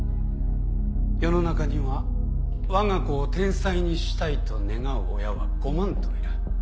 世の中にはわが子を天才にしたいと願う親はごまんといる。